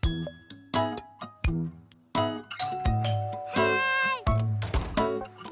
はい。